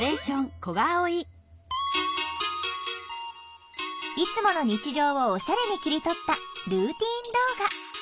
いつもの日常をおしゃれに切り取ったルーティン動画。